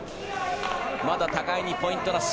まだ互いにポイントなし。